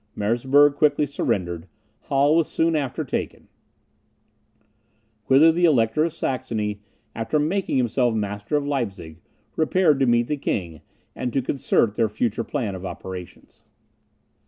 Merseburg quickly surrendered; Halle was soon after taken, whither the Elector of Saxony, after making himself master of Leipzig, repaired to meet the king, and to concert their future plan of operations.